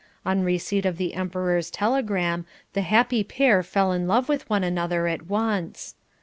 On receipt of the Emperor's telegram the happy pair fell in love with one another at once.